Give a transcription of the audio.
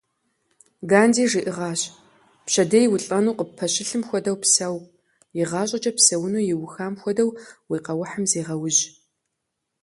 Ганди жиӏагъащ: пщэдей улӏэну къыппэщылъым хуэдэу псэу, игъащӏэкӏэ упсэуну иухам хуэдэу уи къэухьым зегъэужь.